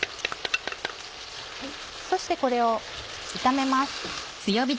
そしてこれを炒めます。